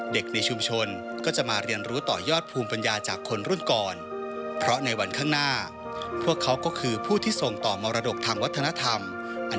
เด็กในชุมชนก็จะมาเรียนรู้ต่อยอดภูมิ